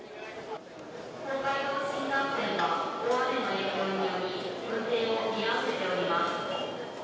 東海道新幹線は大雨の影響により、運転を見合わせております。